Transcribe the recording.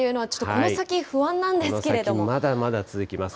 この先まだまだ続きます。